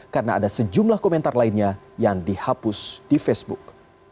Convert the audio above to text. karena ada sejumlah komentar lainnya yang dihapus di facebook